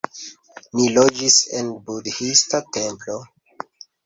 Ni loĝis en budhista templo